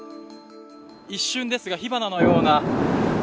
一瞬ですが、火花のような。